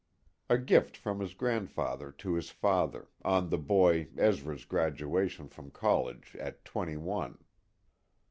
A gift from his grandfather to his father, on the boy Ezra's graduation from college at twenty one.